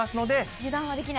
油断はできない。